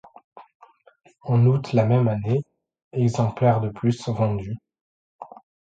En août la même année, exemplaires de plus sont vendus.